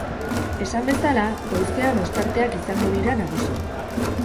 Esan bezala, goizean ostarteak izango dira nagusi.